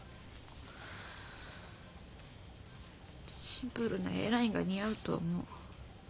シンプルなＡラインが似合うと思う。